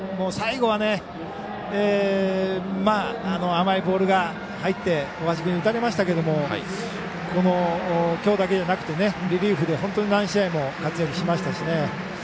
最後は甘いボールが入って大橋君に打たれましたけどきょうだけじゃなくてリリーフで本当に何試合も活躍しましたしね。